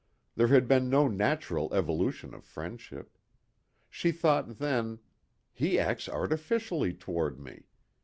There had been no natural evolution of friendship. She thought then, "He acts artificially toward me.